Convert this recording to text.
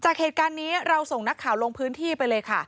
จากเหตุการณ์นี้เราส่งนักข่าวลงพื้นที่ไปเลยค่ะ